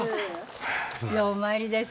ようお参りです。